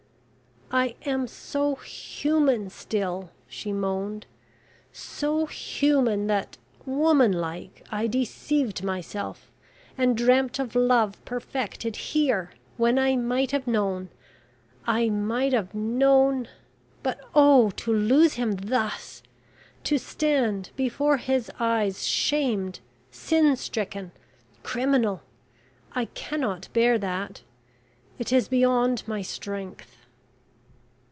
"I am so human still," she moaned "so human that, woman like, I deceived myself, and dreamt of love perfected here, when I might have known I might have known... But, oh, to lose him thus! To stand before his eyes shamed, sin stricken, criminal I cannot bear that it is beyond my strength..."